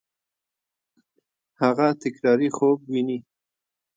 هغه تکراري خوب ویني.